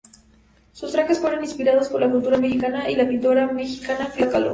Sus trajes fueron inspirados por la cultura mexicana y la pintora mexicana Frida Kahlo.